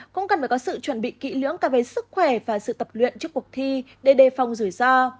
cũng cần phải có sự chuẩn bị kỹ lưỡng cả về sức khỏe và sự tập luyện trước cuộc thi để đề phòng rủi ro